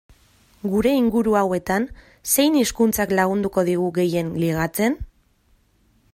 Gure inguru hauetan, zein hizkuntzak lagunduko digu gehien ligatzen?